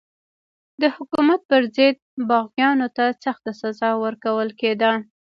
د حکومت پر ضد باغیانو ته سخته سزا ورکول کېده.